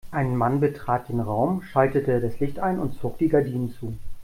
Ein Mann betrat den Raum, schaltete das Licht ein und zog die Gardinen zu.